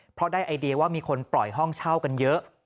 เพราะได้ไอเดียว่ามีคนปล่อยห้องเช่ากันเยอะ